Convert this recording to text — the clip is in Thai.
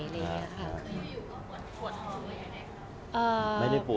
คือเยอะเยอะก็ป่วนป่วนก่อนเลยค่ะ